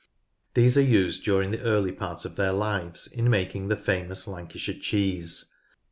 These are used during the early part of their lives in making the famous Lancashire cheese.